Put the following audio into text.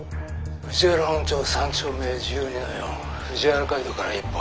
「藤原本町３丁目１２の４藤原街道から１本入った路地裏です」。